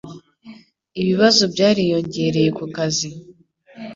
Ibibazo byariyongereye ku kazi